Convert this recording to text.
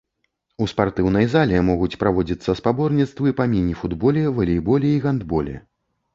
У спартыўнай зале могуць праводзіцца спаборніцтвы па міні-футболе, валейболе і гандболе.